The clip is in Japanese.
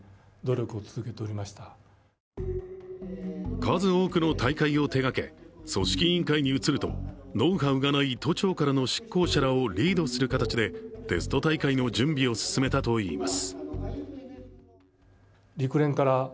数多くの大会を手がけ、組織委員会に移るとノウハウがない都庁からの出向者らをリードする形でテスト大会の準備を進めたといいます。